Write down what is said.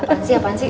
apaan sih apaan sih